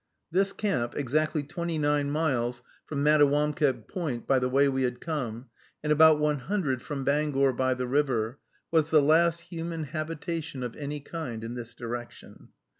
This camp, exactly twenty nine miles from Mattawamkeag Point by the way we had come, and about one hundred from Bangor by the river, was the last human habitation of any kind in this direction.